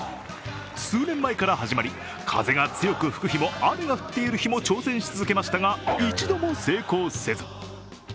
数年前から始まり、風が強く吹く日も雨が降っている日も挑戦し続けましたが一度も成功せず。